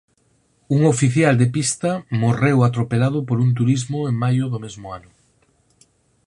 Un oficial de pista morreu atropelado por un turismo en maio do mesmo ano.